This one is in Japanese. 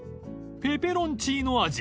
［ペペロンチーノ味